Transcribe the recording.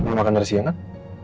mau makan dari siang kan